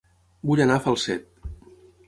Vull anar a Falset